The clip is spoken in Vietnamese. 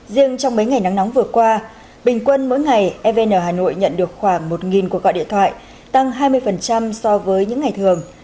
riêng trong mấy ngày nắng nóng vừa qua bình quân mỗi ngày evn hà nội nhận được khoảng một cuộc gọi điện thoại tăng hai mươi so với những ngày thường